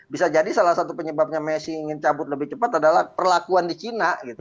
bisa jadi salah satu penyebabnya messi ingin cabut lebih cepat adalah perlakuan di cina gitu